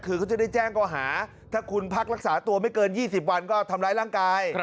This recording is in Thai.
คือเขาจะได้แจ้งก็หาถ้าคุณพักรักษาตัวไม่เกิน๒๐วันก็ทำร้ายร่างกาย